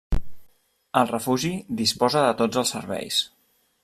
El refugi disposa de tots els serveis.